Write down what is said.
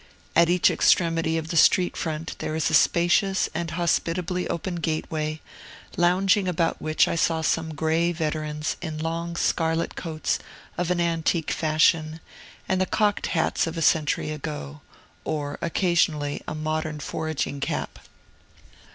At each extremity of the street front there is a spacious and hospitably open gateway, lounging about which I saw some gray veterans in long scarlet coats of an antique fashion, and the cocked hats of a century ago, or occasionally a modern foraging cap.